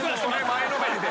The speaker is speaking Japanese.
前のめりで。